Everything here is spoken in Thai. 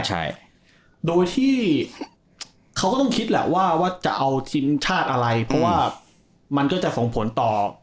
ใช่โดยที่เขาก็ต้องคิดแหละว่าจะเอาทีมชาติอะไรเพราะว่ามันก็จะส่งผลต่อ